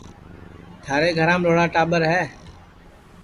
تھارے گھرام لھوڑا ٹاٻر ہے